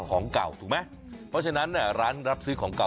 ของเก่าถูกไหมเพราะฉะนั้นเนี่ยร้านรับซื้อของเก่า